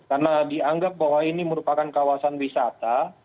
karena dianggap bahwa ini merupakan kawasan wisata